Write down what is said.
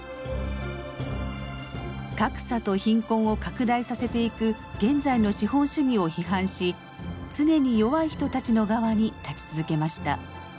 格差と貧困を拡大させていく現在の資本主義を批判し常に弱い人たちの側に立ち続けました。